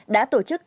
đã tổ chức